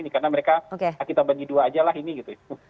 karena mereka kita bagi dua aja lah ini gitu